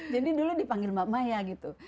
jadi dulu dipanggil mbak maya gitu